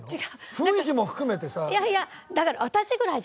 雰囲気も含めてさ。